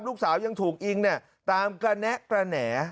ลูกสาวยังถูกยิงตามกระแนะกระแหน่